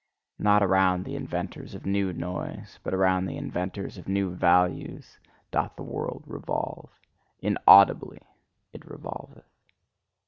Not around the inventors of new noise, but around the inventors of new values, doth the world revolve; INAUDIBLY it revolveth.